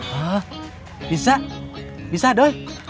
hah bisa bisa doi